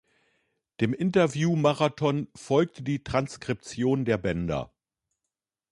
Dem Interview-Marathon folgte die Transkription der Bänder.